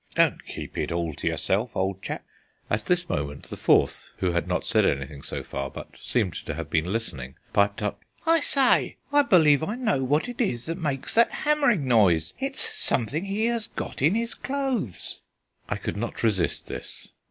Don't keep it all to yourself, old chap." At this moment the fourth, who had not said anything so far, but seemed to have been listening, piped up: "I say! I believe I know what it is that makes that hammering noise: it's something he has got in his clothes." I could not resist this.